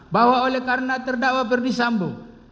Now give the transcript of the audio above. bahwa oleh karena terdakwa perdisambo